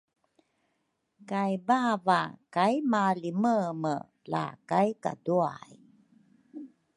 kay bava kai malimeme la kai kaduay.